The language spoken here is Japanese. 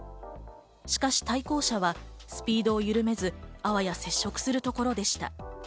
しかし、対向車はスピードをゆるめず、あわや接触するところでした。